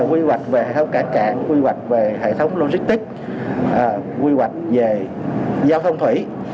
quy hoạch về hệ thống cản cản quy hoạch về hệ thống logistic quy hoạch về giao thông thủy